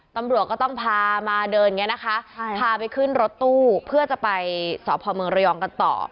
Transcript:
ตำรวจก็ต้องพามาเดินซะนี้นะคะพาไปขึ้นรถตู้เพื่อจะไปสหมครก็ต่อ